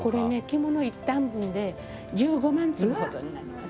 着物１反分で１５万粒ほどになります。